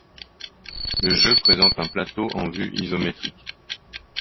Le jeu présente un plateau en vue isométrique.